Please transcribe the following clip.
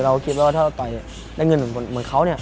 เราก็คิดว่าถ้าเราต่อยได้เงินหนึ่งคนเหมือนเขาเนี่ย